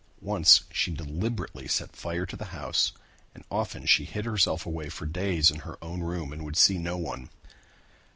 Once she deliberately set fire to the house, and often she hid herself away for days in her own room and would see no one.